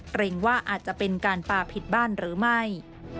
เกรงว่าอาจจะเป็นการปลาผิดบ้านหรือไม่